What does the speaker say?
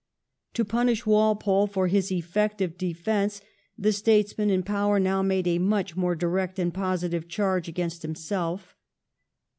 To punish Walpole for his effective defence the statesmen in power now made a much more direct and positive charge against himself.